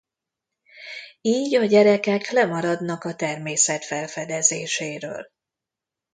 Így a gyerekek lemaradnak a természet felfedezéséről.